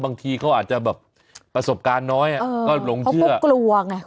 บางทีเขาอาจจะแบบประสบการณ์น้อยอ่ะก็หลงเขาก็กลัวไง